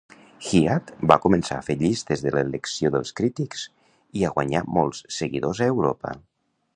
Hiatt va començar a fer llistes de "l'elecció dels crítics" i a guanyar molts seguidors a Europa.